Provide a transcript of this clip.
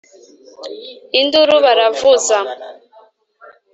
Induru baravuza